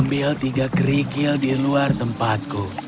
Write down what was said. ambil tiga kerikil di luar tempatku